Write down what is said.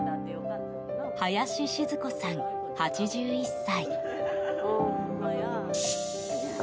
林シズ子さん、８１歳。